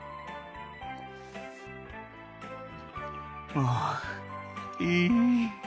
ああいい！